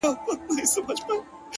مړ مي مړوند دی،